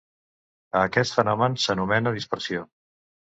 A aquest fenomen s'anomena dispersió.